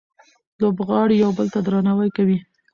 لوبغاړي یو بل ته درناوی کوي.